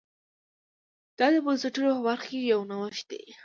دا د بنسټونو په برخه کې یو نوښت دی